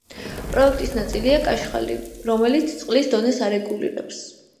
პროექტის ნაწილია კაშხალი, რომელიც წყლის დონეს არეგულირებს.